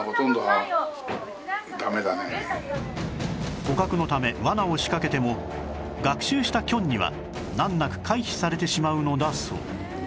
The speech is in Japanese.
捕獲のため罠を仕掛けても学習したキョンには難なく回避されてしまうのだそう